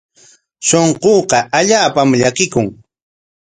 Shunquuqa allaapam llakikun.